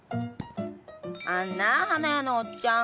あんな花屋のおっちゃん。